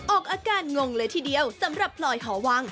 ออกอาการงงเลยทีเดียวสำหรับพลอยหอวัง